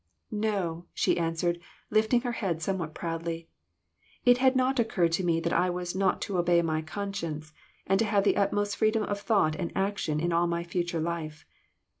"No," she answered, lifting her head somewhat proudly; "it had not occurred to me that I was not to obey my conscience, and to have the utmost freedom of thought and action in all my future life.